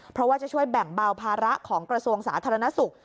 เพราะว่าจะช่วยแบ่งเบาภาระของกระทรวงสาธารณสุข